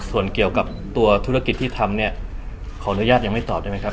ส่วนเกี่ยวกับตัวธุรกิจที่ทำเนี่ยขออนุญาตยังไม่ตอบได้ไหมครับ